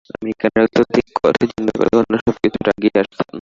আমেরিকানরা অত্যধিক অর্থচিন্তা করে, অন্য সব কিছুর আগে ইহার স্থান।